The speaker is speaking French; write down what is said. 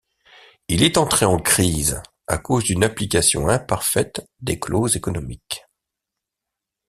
Il est entré en crise à cause d’une application imparfaite des clauses économiques.